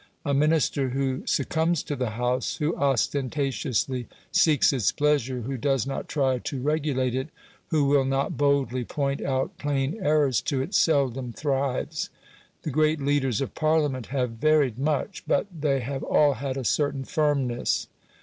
A Minister who succumbs to the House, who ostentatiously seeks its pleasure, who does not try to regulate it, who will not boldly point out plain errors to it, seldom thrives. The great leaders of Parliament have varied much, but they have all had a certain firmness.